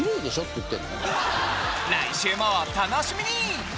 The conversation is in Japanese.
来週もお楽しみに！